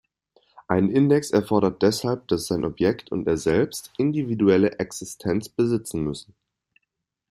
Ein Index erfordert deshalb, dass sein Objekt und er selbst individuelle Existenz besitzen müssen.